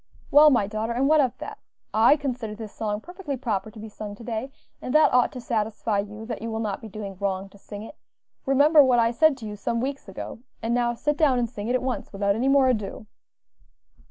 "Well, my daughter, and what of that? I consider this song perfectly proper to be sung to day, and that ought to satisfy you that you will not be doing wrong to sing it; remember what I said to you some weeks ago; and now sit down and sing it at once, without any more ado."